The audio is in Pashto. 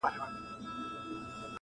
نور یې نه کول د مړو توهینونه؛